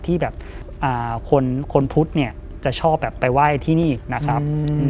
ที่คนพุทธจะชอบไปไหว้ที่นี่นะครับ